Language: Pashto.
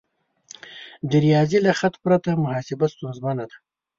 د ریاضي له خط پرته محاسبه ستونزمنه وه.